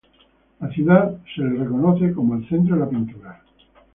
La ciudad es reconocida como el centro de la pintura.